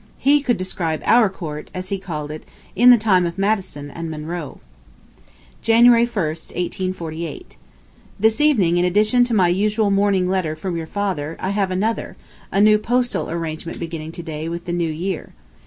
He could describe our Court, as he called it, in the time of Madison and Monroe. January 1, 1848. This evening, in addition to my usual morning letter from your father, I have another; a new postal arrangement beginning to day with the New Year.